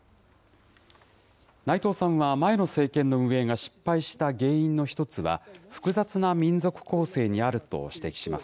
内藤さんは前の政権の運営が失敗した原因の一つは、複雑な民族構成にあると指摘します。